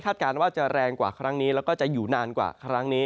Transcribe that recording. การว่าจะแรงกว่าครั้งนี้แล้วก็จะอยู่นานกว่าครั้งนี้